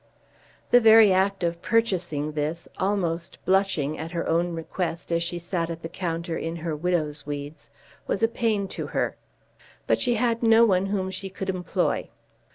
The very act of purchasing this, almost blushing at her own request as she sat at the counter in her widow's weeds, was a pain to her. But she had no one whom she could employ.